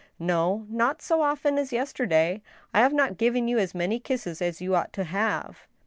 " No ; not so often as yesterday. I have not given you as many kisses as you ought to have."